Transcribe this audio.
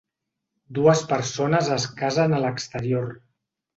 Dues persones es casen a l'exterior.